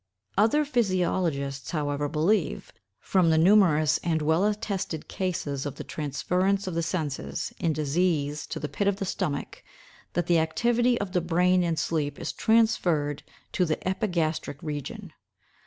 Other physiologists, however, believe, from the numerous and well attested cases of the transference of the senses, in disease, to the pit of the stomach, that the activity of the brain in sleep is transferred to the epigastric region.